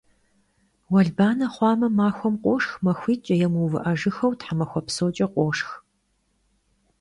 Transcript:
Уэлбанэ хъуамэ, махуэм къошх, махуитӀкӀэ е мыувыӀэжыххэу тхьэмахуэ псокӀэ къошх.